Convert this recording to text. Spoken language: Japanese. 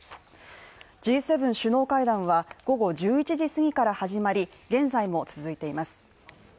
Ｇ７首脳会談は午後１１時過ぎから始まり、現在も続いています。